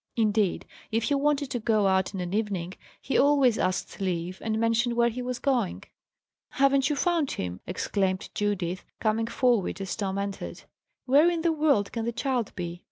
Indeed, if he wanted to go out in an evening, he always asked leave, and mentioned where he was going. "Haven't you found him?" exclaimed Judith, coming forward as Tom entered. "Where in the world can the child be?"